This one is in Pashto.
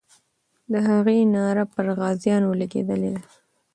د هغې ناره پر غازیانو لګېدلې ده.